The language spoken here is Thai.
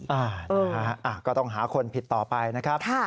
อ่านะฮะก็ต้องหาคนผิดต่อไปนะครับ